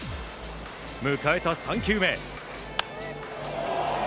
迎えた３球目。